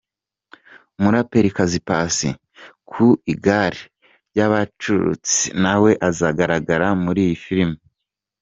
Umuraperikazi Paccy ku igare ry'abacarutsi nawe azagaragara muri iyi filimi.